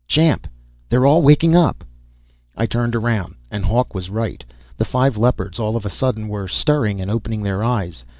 "Champ. They all waking up!" I turned around, and Hawk was right. The five Leopards, all of a sudden, were stirring and opening their eyes.